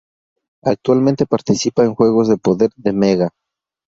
Actualmente, participa en "Juegos de poder" de Mega.